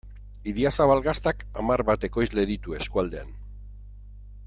Idiazabal Gaztak hamar bat ekoizle ditu eskualdean.